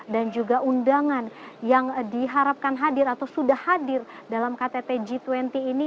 dan juga undangan yang diharapkan hadir atau sudah hadir dalam ktt g dua puluh ini